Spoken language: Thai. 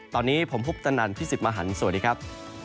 ตอนนี้ผมคุปตนันพี่สิทธิ์มหันฯสวัสดีครับ